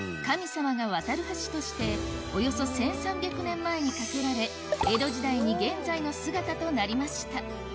神様が渡る橋としておよそ１３００年前に架けられ江戸時代に現在の姿となりました